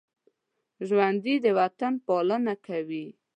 ژوندي د وطن پالنه کوي